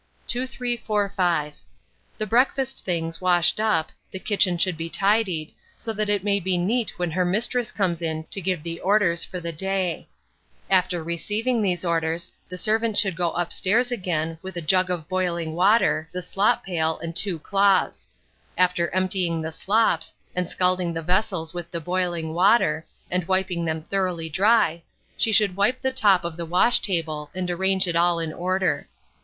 2345. The breakfast things washed up, the kitchen should be tidied, so that it may be neat when her mistress comes in to give the orders for the day: after receiving these orders, the servant should go upstairs again, with a jug of boiling water, the slop pail, and two cloths. After emptying the slops, and scalding the vessels with the boiling water, and wiping them thoroughly dry, she should wipe the top of the wash table and arrange it all in order.